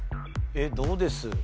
えっどうです？